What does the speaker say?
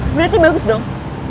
berarti bagus dong